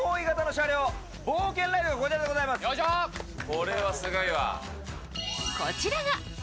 これはすごいわ。